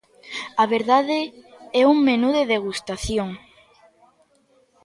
A verdade, é un menú de degustación.